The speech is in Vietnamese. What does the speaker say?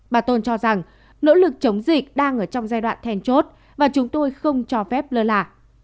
bà tôn cho rằng nỗ lực chống dịch đang ở trong giai đoạn thèn chốt và chúng tôi không cho phép lơ là